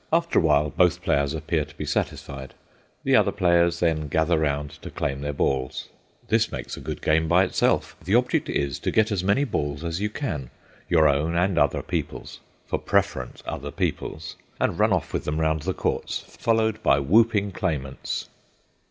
After a while both players appear to be satisfied. The other players then gather round to claim their balls. This makes a good game by itself. The object is to get as many balls as you can, your own and other people's—for preference other people's—and run off with them round the courts, followed by whooping claimants.